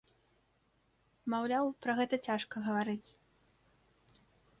Маўляў, пра гэта цяжка гаварыць.